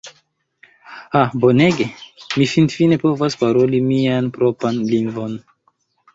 Ha bonege! Mi finfine povas paroli mian propran lingvon!